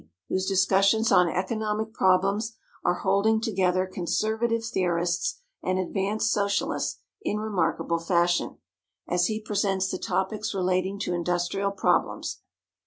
whose discussions on economic problems are holding together conservative theorists and advanced Socialists in remarkable fashion, as he presents the topics relating to industrial problems.